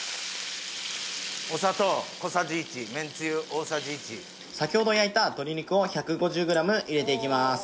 お砂糖小さじ１めんつゆ大さじ１先ほど焼いた鶏肉を１５０ｇ入れていきます